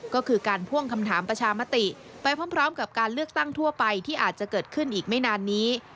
ก็คือการพ่วงคำถามประชามติไปพร้อมกับการเลือกตั้งทั่วไปที่อาจจะเกิดขึ้นอีกไม่นานนี้